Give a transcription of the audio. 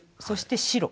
そして白。